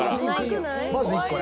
まず１個ね。